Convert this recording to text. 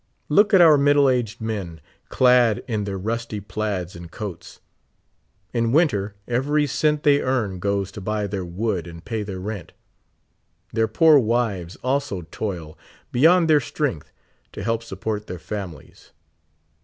Look at our fniddle aged men, clad in their rusty plaids and coats. In winter, every cent they earn goes to buy their wood and pay their rent ; their poor wives also toil beyond their strength, to help support their families.